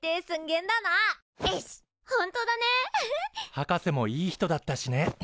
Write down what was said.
博士もいい人だったしね。